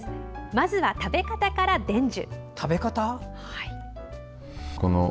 まずは、食べ方から伝授！